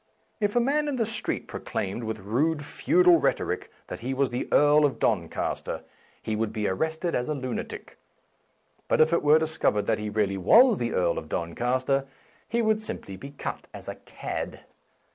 If a man in the street pro claimed, with rude feudal rhetoric, that he was the Earl of Doncaster, he would be arrested as a lunatic ; but if it were discov ered that he really was the Earl of Don caster, he would simply be cut as a cad.